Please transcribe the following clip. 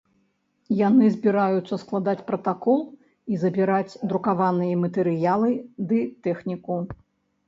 Яны збіраюцца складаць пратакол і забіраць друкаваныя матэрыялы ды тэхніку.